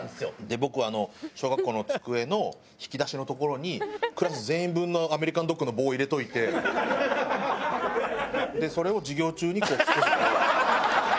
僕は小学校の机の引き出しのところにクラス全員分のアメリカンドッグの棒を入れておいてそれを授業中にこう。